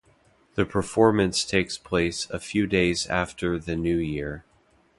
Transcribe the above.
The performance takes place a few days after the New Year.